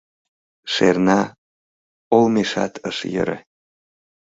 Шерна олмешат ыш йӧрӧ.